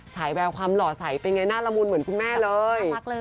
ฉายแววความหล่อใสเป็นไงหน้าละมุนเหมือนคุณแม่เลย